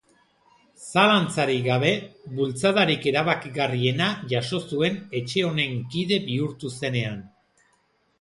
Zalantzarik gabe, bultzadarik erabakigarriena jaso zuen etxe honen kide bihurtu zenean.